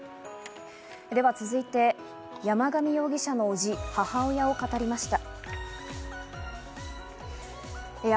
では続いて、山上容疑者の伯父、母親を語りました。